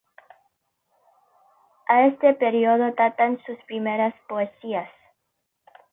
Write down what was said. A este periodo datan sus primeras poesías.